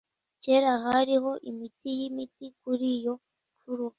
Kera hariho imiti yimiti kuri iyo mfuruka.